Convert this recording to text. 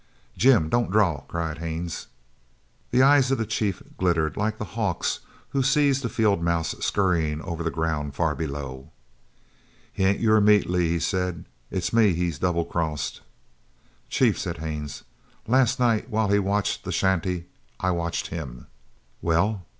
"Jim, don't draw!" cried Haines. The eyes of the chief glittered like the hawk's who sees the field mouse scurrying over the ground far below. "He ain't your meat, Lee," he said. "It's me he's double crossed." "Chief," said Haines, "last night while he watched the shanty, I watched him!" "Well?"